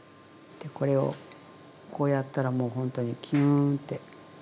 でこれをこうやったらもうほんとにきゅんって。